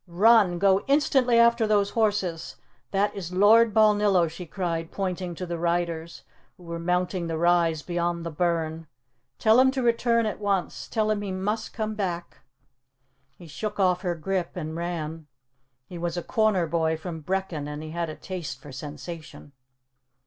"Run! Go instantly after those horses! That is Lord Balnillo!" she cried, pointing to the riders, who were mounting the rise beyond the burn. "Tell him to return at once. Tell him he must come back!" He shook off her grip and ran. He was a corner boy from Brechin and he had a taste for sensation.